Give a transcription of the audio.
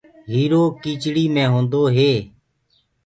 هيٚرو ڪيٚچڙي مي هونٚدوئي